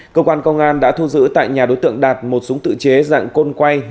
cơ quan công an đã thu giữ tại nhà đối tượng đạt một súng tự chế dạng côn quay